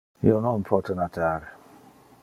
Io non pote natar.